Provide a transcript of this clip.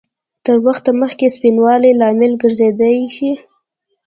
تر وخته مخکې سپینوالي لامل ګرځېدای شي؟